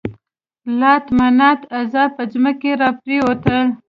لات، منات، عزا پر ځمکه را پرېوتل.